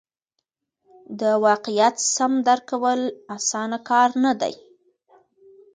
د واقعیت سم درک کول اسانه کار نه دی.